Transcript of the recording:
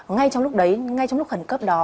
ngay trong lúc đấy ngay trong lúc khẩn cấp đó